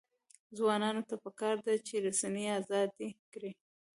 ځوانانو ته پکار ده چې، رسنۍ ازادې کړي.